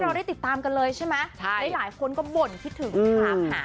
เราได้ติดตามกันเลยใช่ไหมใช่หลายคนก็บ่นคิดถึงถามหา